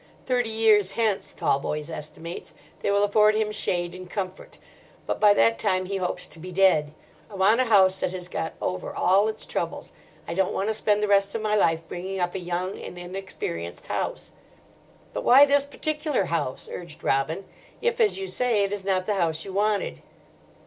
Thirty years hence, Talboys estimates, they will afford him shade and comfort; but by that time he hopes to be dead. I want a house that has got over all its troubles; I don't want to spend the rest of my life bringing up a young and inexperienced house." "But why this particular house?" urged Robin, "if, as you say, it is not the house you wanted."